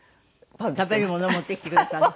食べるもの持って来てくれたの？